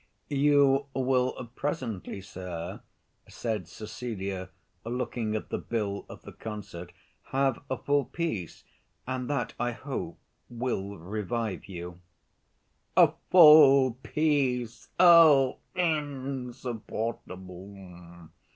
"You will presently, sir," said Cecilia, looking at the bill of the concert, "have a full piece; and that I hope will revive you." "A full piece! oh, insupportable!